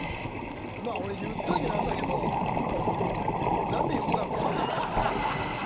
まあ、俺、言っといてなんだけど、なんで呼んだの？